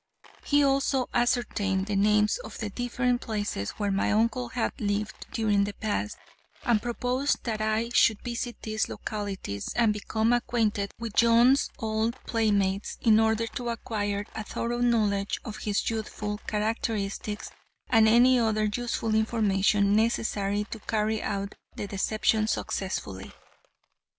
He also ascertained the names of the different places where my uncle had lived during the past, and proposed that I should visit these localities and become acquainted with John's old playmates, in order to acquire a thorough knowledge of his youthful characteristics and any other useful information necessary to carry out the deception successfully.